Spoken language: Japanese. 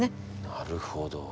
なるほど。